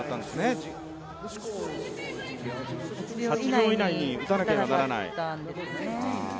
８秒以内に打たなければならない。